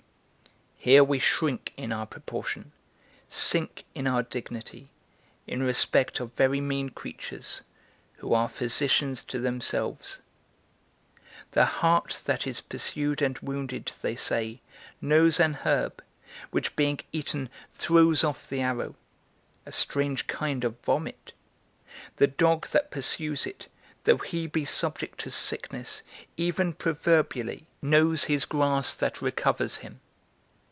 Here we shrink in our proportion, sink in our dignity, in respect of very mean creatures, who are physicians to themselves. The hart that is pursued and wounded, they say, knows an herb, which being eaten throws off the arrow: a strange kind of vomit. The dog that pursues it, though he be subject to sickness, even proverbially, knows his grass that recovers him.